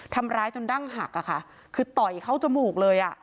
ทำร้ายจนดั้งหักคือต่อยเขาจมูกเลย